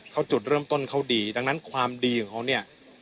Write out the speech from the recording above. เขาจุดเริ่มต้นเขาดีดังนั้นความดีของเขาเนี่ย